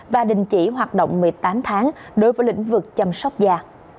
và đình chỉ hoạt động một mươi tám tháng đối với lĩnh vực chăm sóc da